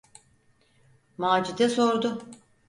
Macide sordu: